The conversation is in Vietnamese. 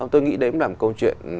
tôi nghĩ đến làm câu chuyện